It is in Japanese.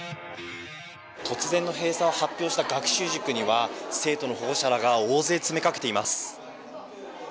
突然の閉鎖を発表した学習塾には、生徒の保護者らが大勢詰めかけています。